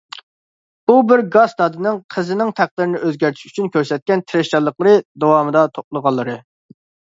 بۇ بىر گاس دادىنىڭ قىزىنىڭ تەقدىرىنى ئۆزگەرتىش ئۈچۈن كۆرسەتكەن تىرىشچانلىقلىرى داۋامىدا توپلىغانلىرى.